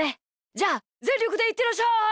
じゃあぜんりょくでいってらっしゃい！